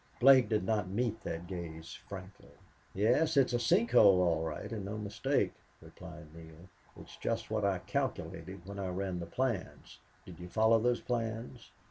Blake did not meet that gaze frankly. "Yes, it's a sink hole, all right, and no mistake," replied Neale. "It's just what I calculated when I ran the plans.... Did you follow those plans?"